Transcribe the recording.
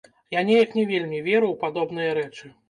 Я неяк не вельмі веру ў падобныя рэчы.